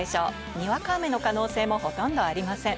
にわか雨の可能性もほとんどありません。